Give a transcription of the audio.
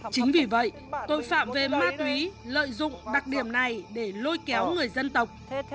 chính vì vậy tội phạm về ma túy lợi dụng đặc điểm này để lôi kéo người dân tộc